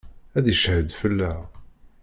Ad d-icehhed fell-aɣ.